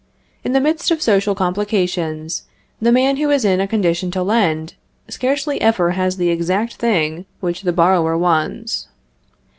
In the midst of social complications, the man who is in a condition to lend, scarcely ever has the exact thing which the borrower wants.